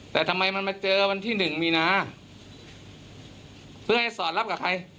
แต่ทำไมมันมาเจอวันที่หนึ่งมีนาเพื่อให้สอดรับกับใคร